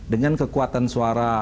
dengan kekuatan suara